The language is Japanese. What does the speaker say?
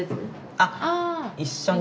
あっ一緒に。